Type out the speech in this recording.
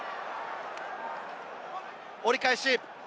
折り返し。